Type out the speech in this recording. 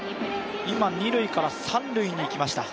今、二塁から三塁に行きました。